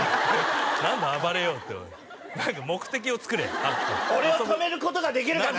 何だ「暴れよう」っておい何か目的をつくれ俺を止めることができるかな？